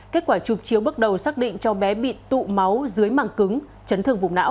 kết quả chụp chiếu bước đầu xác định cho bé bị tụ máu dưới màng cứng chấn thương vùng não